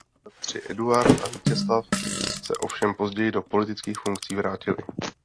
Bratři Eduard a Vítězslav se ovšem později do politických funkcí vrátili.